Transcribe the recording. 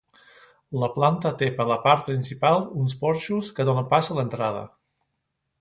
La planta té per la part principal uns porxos que donen pas a l'entrada.